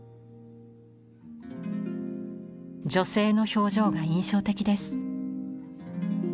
女性の表情が印象的です。